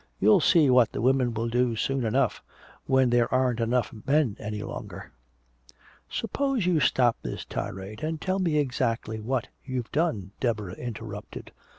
You'll see what the women will do soon enough when there aren't enough men any longer " "Suppose you stop this tirade and tell me exactly what you've done," Deborah interrupted.